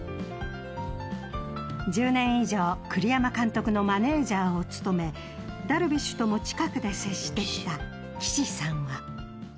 １０年以上栗山監督のマネージャーを務めダルビッシュとも近くで接してきた岸さんは。